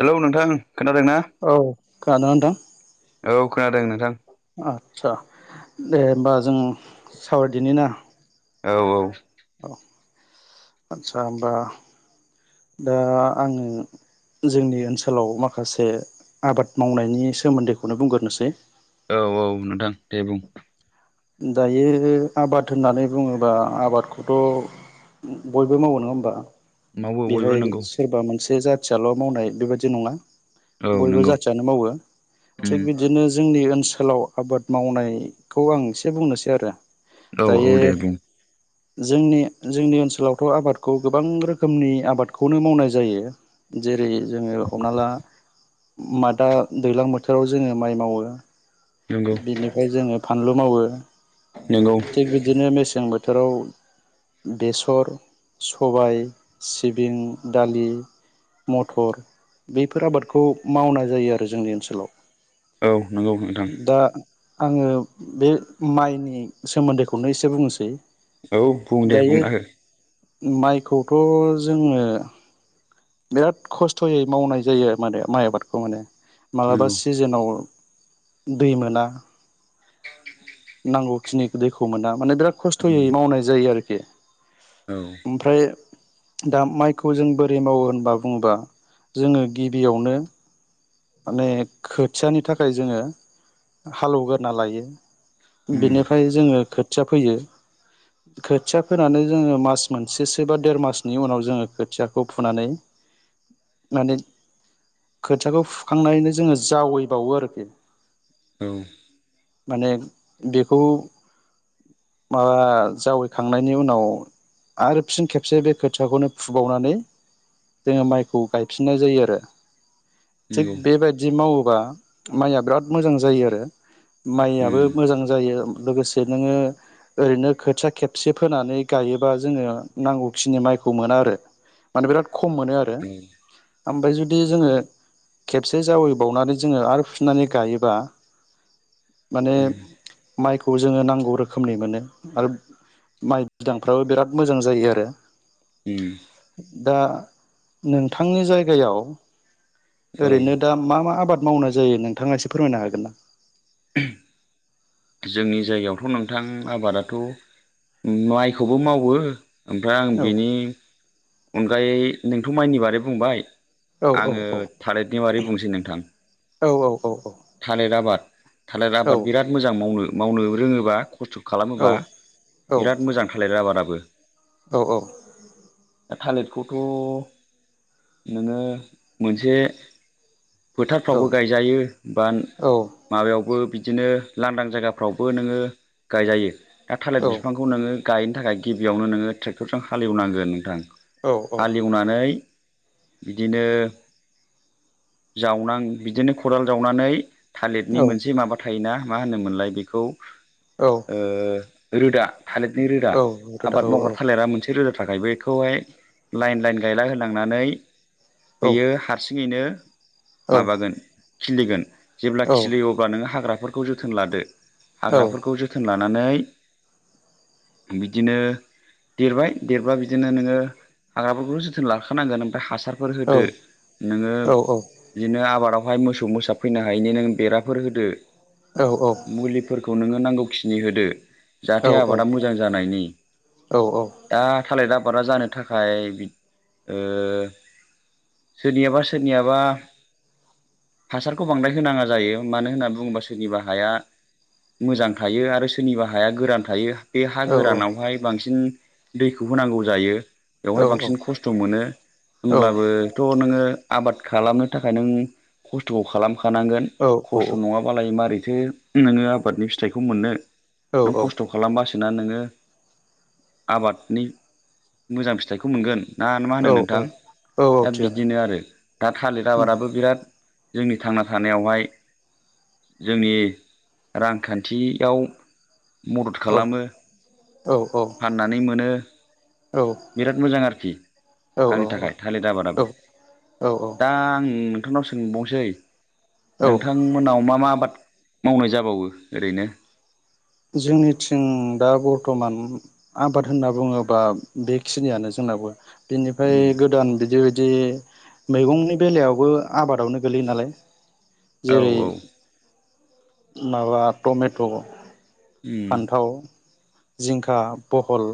Hello नोंथां खोनादों ना औ खोनादोंना नोंथां? औ खोनादों नोंथां। आदसा दे होमबा जों सावरायदिनि ना औ औ औ आदसा बा दा आङो जोंनि ओनसोलाव माखासे आबाद मावनायनि सोमोन्दैखौनो बुंग्रोनोसै। औ औ नोंथां दे बुं दायो आबाद होननानै बुङोबा आबादखौथ' बयबो मावो नङा होमबा मावो बयबो बेहाय नंगौ सोरबा मोन से जाथियाल' मावनाय बेबायदि नङा औ बयबो नंगौ जाथियानो मावो उम थिग बिदिनो जोंनि ओनसो लाव आबाद मावनायखौ आं एसे बुंनोसै आरो। औ औ दायो दे बुं जोंनि जोंनि ओनसोलावथ' आबादखौ गोबां रोखोमनि आबादखौनो मावनाय जायो। जेरै जोङो हमना ला मादा दैलां बोथोराव जोङो माइ मावो। नंगौ बिनिफ्राय जोङो फानलु मावो नंगौ थिग बिदिनो मेसें बोथो राव बेसर, सबाय, सिबिं, दालि मटर बेफोर आबादखौ मावनाय जायो आरो जोंनि ओनसोलाव औ नंगौ नोंथां दा आङो बे माइनि सोमोन्दैखौनो एसे बुंनोसै औ बुं दे दायो बुंना हो माइखौथ' जोङो बिराद खस्थ'यै मावनाय जायो माने माइ आबादखौ माने मालाबा नंगौ सिजोनाव दै मोना नांगौ खिनि दैखौ मोना माने बिराद खस्थ'यै उम मावनाय जायो आरोखि औ ओमफ्राय दा माइखौ जों बोरै मावो होनबा बुङोबा जोङो गिबियावनो माने खोथियानि थाखाय जोङो हाल एवग्रोना लायो उम बिनिफ्राय जोङो खोथिया फोयो खोथिया फोनानै जोङो मास मोनसेसो बा देर मासनि उनाव जोङो खोथियाखौ फुनानै माने खोथियाखौ फुखांनानैनो जोङो जावैबावो आरोखि औ माने बेखौ माबा जावैखांनायनि उनाव आरो फिन खेबसे बे खोथियाखौनो फुबावनानै जोङो माइखौ गायफिननाय जायो आरो थिग नंगौ बेबायदि मावो बा माइआ बिराद मोजां जायो आरो उम मायाबो मोजां जायो लोगोसे नोङो ओरैनो खोथिया खेबसे फोनानै गायोबा जोङो नांगौखिनि माइ खौ मोना आरो माने बिराद खम मोनो आरो औ ओमफ्राय जुदि जोङो खेबसे जावैबावनानै जोङो आरो फुनानै गायोबा माने उम माइखौ जोङो नांगौ रोखोमनि मोनो आरो माइ बिदांफ्राबो बिराद मोजां जायो आरो उम दा नोंथांनि जायगायाव औ ओरैनो दा मा मा आबाद मावनाय जायो नोंथाङा एसे फोरमायनो हागोन ना जोंनि जायगायावथ' नोंथां आबादाथ' माइखौबो मावो ओमफ्राय आं औ बेनि अनगायै नोंथ' माइनि बारै बुंबाय औ औ आङो औ थालिरनि बारै बुंनोसै नोंथां औ औ थालिर आबाद थालिर औ आबाद बिराद मोजां मावनो मावनो रोङोबा खस्थ' औ खालामोबा औ बिराद मोजां थालिर आबादाबो औ औ दा थालिरखौथ' नोङो मोनसे फोथारफ्रावबो गायजायो बा माबायाव आवबो बिदिनो लांदां जायगाफ्रावबो नोङो गायजायो दा थालिर बिफांखौ नोङो गायनो थाखाय गिबियावनो नोङो ट्रेक्टरजों हालेवनांगोन नोंथां हालेवनानै बिदिनो जावनां बिदिनो खदाल जावनानै थालिरनि औ मोनसे माबा थायोना मा होनोमोनलाय बेखौ औ ओ रोदा थालिरनि रोदा औ रोदा आबाद औ औ मावग्रा थालिरा मोनसे रोदा थाखाय बेखौहाय लाइन लाइन गायला होलांनानै औ थिगानो औ बेयो हारसिङैनो माबागोन खिलिगोन जेब्ला खिलियो अब्ला नोंङो हाग्रा फोरखौ जोथोन लादो हाग्राफोरखौ जोथोन लानानै बिदिनो देरबाय देरबा बिदिनो नोङो हाग्राफोरखौ जोथोन लाखानांगोन ओमफ्राय हासार सारफोर होदो नोङो बिदिनो आबादावहाय मोसो सौ मोसा फैनो हायैनि नों बेराफोर होदो मुलिफोर खौ नोङो नांगौखिनि होदो जाहाथे आबादा मोजां जानायनि दा थालेदा बादा जानो थाखाय बि ओ सोरनियाबा सोरनियाबा हासारखौ बांद्राय होनाङा जायो मानो होननानै बुङोबा सोरनिबा हाया मोजां थायो आरो सोरनिबा हाया गोरान थायो बे हा गोरानावहाय बांसिन दैखौ होनांगौ जायो। बेवहाय बांसिन खस्थ मोनो होमब्लाबोथ नोङो आबाद खालामनो थाखाय नों खस्थ'खौ खालामखानांगोन खस्थ नङाबालाय मारै थो नोङो आबादनि फिथाइखौ मोननो नों खस्थ खालामबासो सोना नोङो आबादनि मोजां फिथाइखौ मोनगोन। ना मा होनो नोंथां दा बिदिनो आरो दा थालिर आबादाबो बिराद जोंनि थांना थानायावहाय जोंनि रांखान्थियाव मदद खालामो फाननानै मोनो। बिराद मोजां आरोखि आंनि थाखाय थालिर आबादाबो। औ औ औ दा आं नोंथांनाव सोंबावनोसै औ नोंथांमोननाव मा मा आबाद मावनाय जाबावो ओरैनो? जोंनिथिं दा बरथमान आबाद होनना बुङोबा बेखिनियानो जों नाबो बिनिफ्राय उम गोदान बिदि बादि मैगंनि बेलायावबो आबादावनो गोलैयो नालाय औ जेरै औ माबा टमेट फान्थाव जिंखा बहल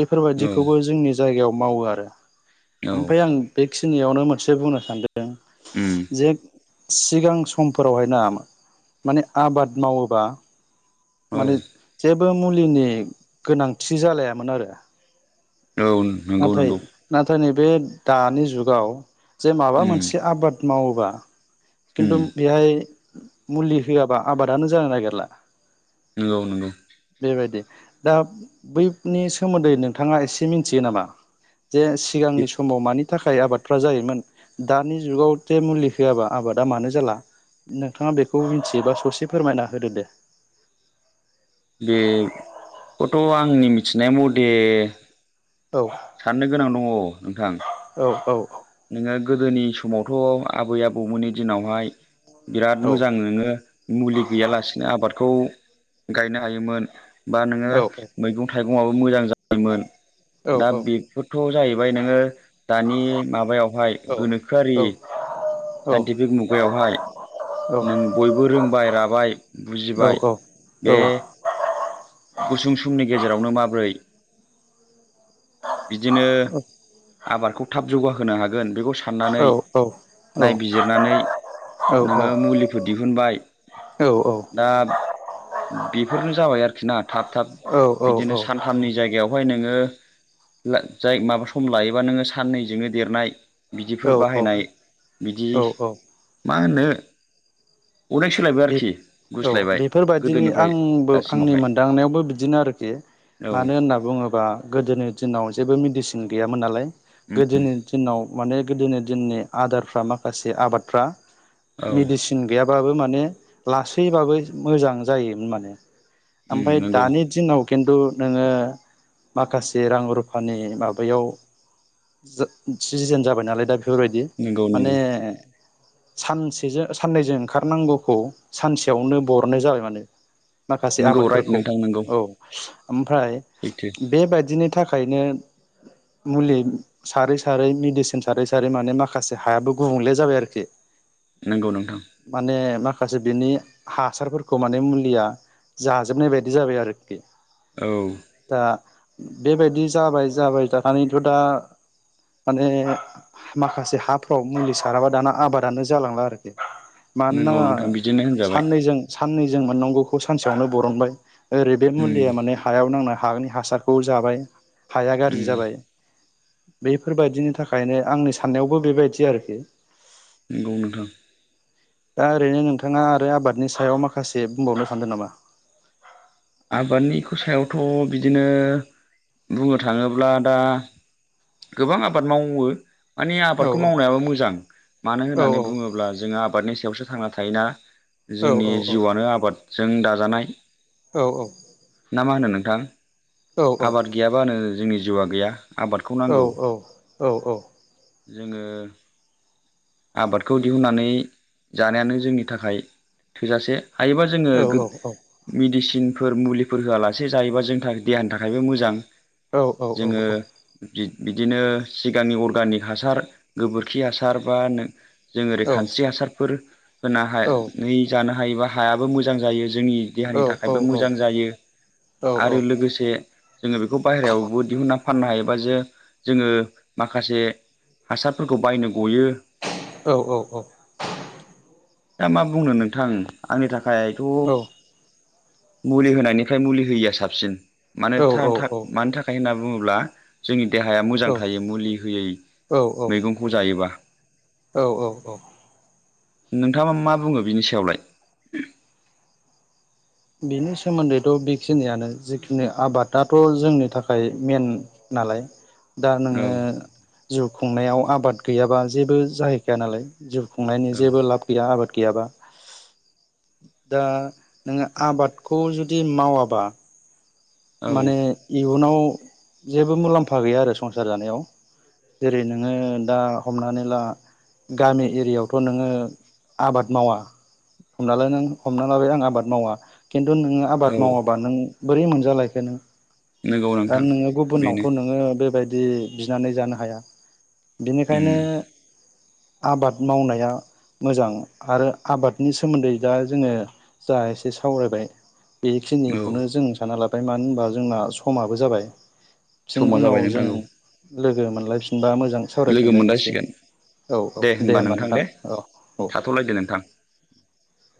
बैफोरबायदिखौबो जोंनि जायगायाव मावो आरो। औ उम औ ओमफ्राय आं बेखिनियावनो मोनसे बुंनो सानदों उम जे सिगां समफोरावहाय ना माने आबाद मावोबा औ माने जेबो मुलिनि गोनांथि जालायामोन आरो। औ नंगौ नाथाय नंगौ नाथाय नै बे दानि जुगाव जे माबा उम मोनसे आबाद मावोबा उम खिन्थु बेहाय मुलि होआबा आबादानो जानो नागिरला। औ नंगौ। बे बायदि दा बैनि सोमोन्दै नोंथाङा एसे मिथियो नामा? जे सिगांनि समाव मानि थाखाय आबादफ्रा जायोमोन दानि जुगाव जे मुलि होआबा आबादा मानो जाला? नोंथाङा बेखौ मिथियोबा ससे फोरमायना होदो दे। बेखौथ आंनि मिथिनाय मथे औ साननो गोनां दङ नोंथां। औ औ नोङो गोदोनि समावथ आबै आबौमोननि दिनावहाय बिराद औ मोजां नोङो मुलि गैयालासिनो आबादखौ गायनो हायोमोन। बा नोङो औ मैगं थाइगङाबो मोजां जा योमोन औ दा बेफोरथ जाहैबाय नोङो दानि मा यावहाय औ गोनोखोआरि साइन्टिफिक मुगायावहाय नों बयबो रोंबाय राबाय औ बुजिबाय औ बे औ गुसुं समनि गेजेरावनो माबोरै बिदिनो औ आबादखौ थाब जौगाहोनो हागोन बेखौ औ साननानै औ नायबिजिरनानै नोङो मुलिफोर दिहुनबाय दा बेफोरनो जाबाय आरोखि ना थाब थाब बिदिनो सानथामनि जायगायाव बेहाय नोङो जाय माबा सम लायोबा नोङो साननैजोंनो देरनाय। बिदिफोर औ औ बाहायनाय बिदि औ मा होनो अनेक सोलायबाय बे आरोखि। औ गुस्लायबाय बेफोरबायदिनि गोदोनिफ्राय आंबो आंनि दासिमावहाय मोनदांनायावबो बिदिनो आरोखि। औ मानो होनना बुङोबा गोदोनि दिनाव जेबो मेडिसिन गैयामोन नालाय गोदोनि दिनाव माने गोदोनि दिननि आदारफ्रा माखासे आबादफ्रा औ मेडिसिन गैयाबाबो मा नो लासैबाबो मोजां जायोमोन माने ओमफ्राय नंगौ दानि दिनाव खिन्थु नोङो माखासे रां रुफानि माबायाव सिजेन जाबाय नालाय दा बेफोरबायदि नंगौ माने नंगौ सानसेजों साननैजों ओंखारनांगौखौ सानसेयावनो बरननाय जाबाय माने माखासे नंगौ राइट आबादफोरखौ नोंथां नंगौ औ ओमफ्राय सैथो बेबायाददिनि थाखायनो मुलि सारै सारै मेडिसिन सारै सारै माने माखासे हायाबो गुबुंले जाबाय आरोखि नंगौ नोंथां माने मा खासे बिनि हासारफोरखौ माने मुलिया जाजोबनाय बायदि जाबाय आरोखि औ दा बेबायदि जाबाय जाबाय थानानैथ' दा माने माखासे हाफ्राव मुलि साराबा दाना आबादानो जालांला आरोखि मानोना नंगौ नोंथां बिदिनो होनजाबाय साननैजों साननैजों मोननांगौखौ सानसेयावनो बरनबाय ओरै बे मुलिया माने हायाव नांना हानि हासारखौ जाबाय हाया गाज्रि जाबाय बेफोरबायदिनि थाखायनो आंनि साननायावबो बेबायदि आरोखि नंगौ नोंथां दा ओरैनो नोंथाङा आरो आबादनि सायाव माखासे बुंबावनो सानदों नामा आबादनिखौ सायावथ' बिदिनो बुंनो थाङोब्ला दा गोबां आबाद मावो माने औ आबादखौ मावनायाबो मोजां मानो औ होन्नानै बुङोब्ला जोङो आबादनि सायावसो थांना थायोना औ जोंनि औ जिउआनो आबादजों दाजानाय औ औ ना मा होनो नोंथां औ आबाद गैयाबानो जोंनि जिउआ गैया आबादखौ औ नांगौ औ औ औ जोङो आबादखौ दिहुननानै जानायानो जोंनि थाखाय थोजासे हायोबा जोङो औ गोद औ औ मेदिसि फोर मुलिफोर होआलासे जायोबा जोंनि थाखाय देहानि थाखायबो मोजां औ औ औ जोङो औ बिदिनो सिगांनि अर्गानिक हासार गोबोरखि हासार बा नो जों ओरै खानस्रि हासारफोर होनो हा नै जानो हायोबा हायाबो मोजां जायो जोंनि देहानि थाखायबो मोजां जायो आरो लोगोसे जोङो बेखौ बाहेरायावबो दिहुनना फाननो हायोबा जे जोङो माखासे हासारफोरखौ बायनो गयो औ औ औ दा मा बुंनो नोंथां आंनि थाखायथ' मुलि होनायनिफ्राय मुलि होयिया साबसिन मानो था था मानो थाखाय होनना बुङोब्ला जोंनि देहाया मोजां थायो मुलि होयै मैगंखौ जायोबा औ औ औ नोंथाङा मा बुङो बिनि सायावलाय बेनि सोमोन्दैथ' बेखिनियानो जिखिनि आबादाथ' जोंनि थाखाय मेन नालाय दा औ नोङो जिउ खुंनायाव आबाद गैयाबा जेबो जाहैखाया नालाय जिउ खुंनायनि औ जेबो लाब गैया आबाद गैयाबा दा नोङो आबादखौ जुदि मावाबा औ माने इयुनाव जेबो मुलाम्फा गैया आरो संसार जानायाव जेरै नोङो दा हमनानै ला गामि एरियायावथ' नोङो आबाद मावा हमना ला नों हमना लाबाय आं आबाद मावा खिन्थु नोङो औ आबाद मावाबा नों बोरै मोनजालायखो नों नंगौ दा नोंथां नोङो गुबुननावथ बेनो नोङो बेबायदि बिनानै जानो हाया बिनिखायनो उम आबाद मावनाया मोजां आरो आबादनि सोमोन्दै दा जोङो जा एसे सावरायबाय औ बेखिनिखौनो जों सानना लाबाय मानो होनबा जोंना समाबो जाबाय सिन समा उनाव जाबाय नोंथां जों औ लोगो मोनलायफिनबा मोज मोजां लोगो सावरायफिनलायनोसै मोनलायसिगोन औ औ दे होमबा नोंथां औ औ थाथ'लायदो नोंथां [inaudible]